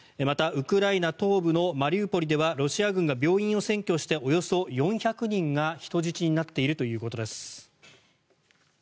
また、ウクライナ東部のマリウポリではロシア軍が病院を占拠しておよそ４００人が人質になっているということです。